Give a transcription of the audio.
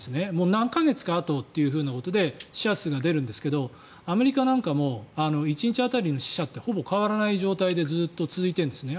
何か月かあとということで死者数が出るんですがアメリカなんかも１日当たりの死者ってほぼ変わらない状態でずっと続いているんですね。